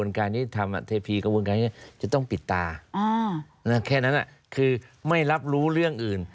ไม่ต้องปิดตาแค่นั้นคือไม่รับรู้เรื่องอื่น